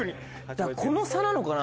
だからこの差なのかな？